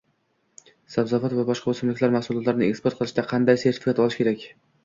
Sabzavot va boshqa o’simlik mahsulotlarini eksport qilishda qanday sertifikat olish kerak?